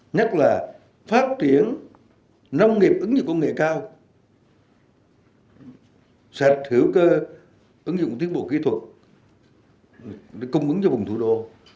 nhất là phát triển nông nghiệp ứng dụng công nghệ cao sạch hữu cơ ứng dụng tiến bộ kỹ thuật để cung ứng cho vùng thủ đô